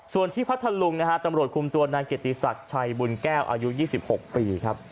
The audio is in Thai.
ส่วนที่พัทธลุงนะฮะตำรวจคุมตัวนายเกียรติศักดิ์ชัยบุญแก้วอายุ๒๖ปีครับ